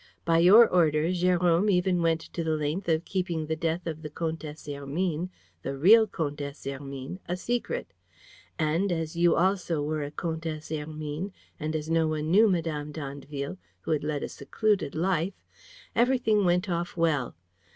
By your orders, Jérôme even went to the length of keeping the death of the Comtesse Hermine, the real Comtesse Hermine, a secret. And, as you also were a Comtesse Hermine and as no one knew Mme. d'Andeville, who had led a secluded life, everything went off well.